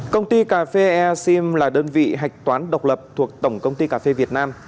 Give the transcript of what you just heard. công ty cà phê ea sim là đơn vị hạch toán độc lập thuộc tổng công ty cà phê việt nam